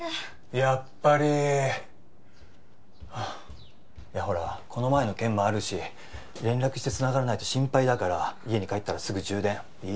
やっぱりはあいやほらこの前の件もあるし連絡してつながらないと心配だから家に帰ったらすぐ充電いい？